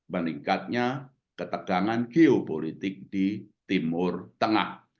meningkatnya ketegangan geopolitik di timur tengah